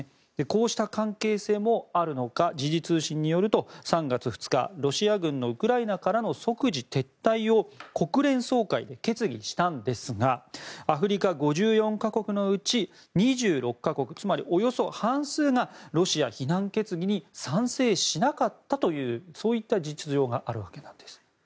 こうした関係性もあるのか時事通信によると３月２日、ロシア軍のウクライナからの即時撤退を国連総会で決議したんですがアフリカ５４か国のうち２６か国つまりおよそ半数がロシア非難決議に賛成しなかったというそういった実情があるようです。